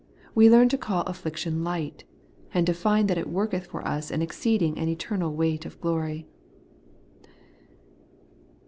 We learn to call aflBiiction light, and to find that it worketh for us an exceeding and eternal weight of glory.